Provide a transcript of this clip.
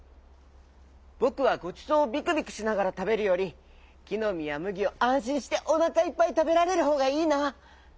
ぼくはごちそうをビクビクしながらたべるよりきのみやむぎをあんしんしておなかいっぱいたべられるほうがいいな。